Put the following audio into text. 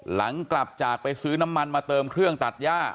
หลังจากไปซื้อน้ำมันมาเติมเครื่องตัดย่า